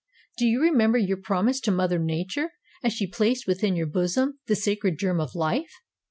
Do you remember your promise to Mother Nature as she placed within your bosom the sacred germ of life?